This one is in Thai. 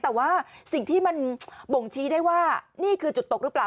แต่ว่าสิ่งที่มันบ่งชี้ได้ว่านี่คือจุดตกหรือเปล่า